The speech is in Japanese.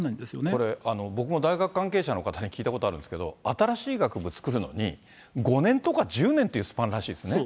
これ、僕も大学関係者の方に聞いたことあるんですけど、新しい学部作るのに、５年とか１０年っていうスパンらしいですね。